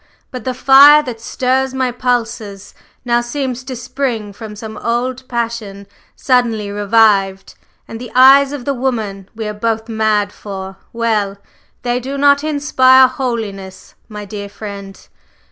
But the fire that stirs my pulses now seems to spring from some old passion suddenly revived, and the eyes of the woman we are both mad for well! they do not inspire holiness, my dear friend!